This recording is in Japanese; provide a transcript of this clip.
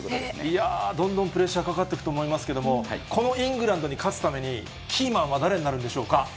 いやー、どんどんプレッシャーかかっていくと思いますけれども、このイングランドに勝つために、キーマンは誰になるんでしょうか。